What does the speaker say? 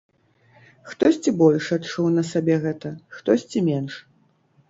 Хтосьці больш адчуў на сабе гэта, хтосьці менш.